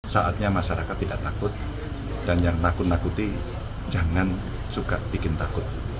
saatnya masyarakat tidak takut dan yang nakut nakuti jangan suka bikin takut